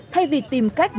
thay vì tìm cách